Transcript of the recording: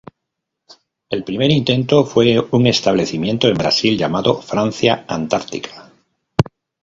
El primer intento fue un establecimiento en Brasil, llamado Francia Antártica.